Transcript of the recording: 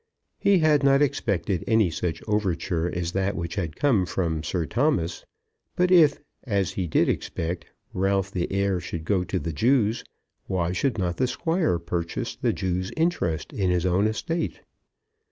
He had not expected any such overture as that which had come from Sir Thomas; but if, as he did expect, Ralph the heir should go to the Jews, why should not the Squire purchase the Jews' interest in his own estate?